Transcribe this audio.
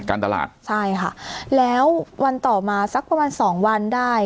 การตลาดใช่ค่ะแล้ววันต่อมาสักประมาณสองวันได้